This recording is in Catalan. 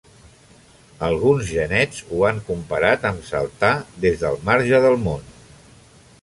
Alguns genets ho han comparat amb saltar des del marge del món.